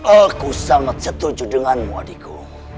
aku sangat setuju denganmu adikku